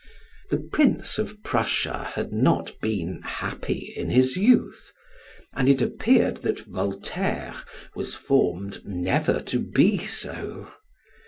The Prince of Prussia had not been happy in his youth, and it appeared that Voltaire was formed never to be so.